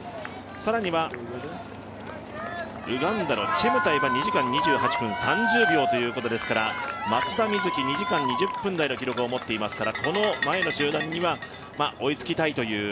更には、ウガンダのチェムタイが２時間２８分３０秒ということですから松田瑞生、２時間２０分台の記録を持っていますからこの前の集団には追いつきたいという。